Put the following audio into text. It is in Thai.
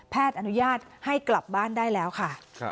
อนุญาตให้กลับบ้านได้แล้วค่ะ